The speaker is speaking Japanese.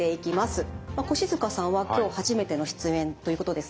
越塚さんは今日初めての出演ということですので問題です。